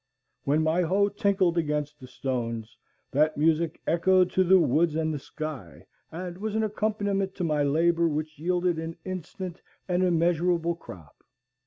When my hoe tinkled against the stones, that music echoed to the woods and the sky, and was an accompaniment to my labor which yielded an instant and immeasurable crop.